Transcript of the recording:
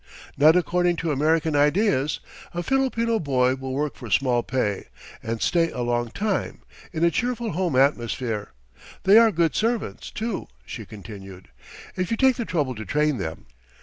"Not according to American ideas. A Filipino boy will work for small pay, and stay a long time, in a cheerful home atmosphere. They are good servants, too," she continued, "if you take the trouble to train them.